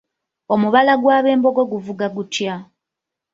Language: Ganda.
Omubala gw’abembogo guvuga gutya?